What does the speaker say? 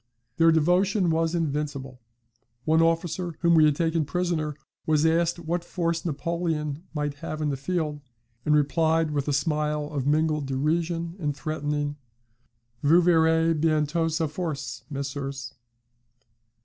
Their devotion was invincible. One officer whom we had taken prisoner was asked what force Napoleon might have in the field, and replied with a smile of mingled derision and threatening, 'Vous verrez bientot sa force, messieurs.'